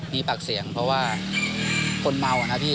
มีปากเสียงเพราะว่าคนเมาอ่ะนะพี่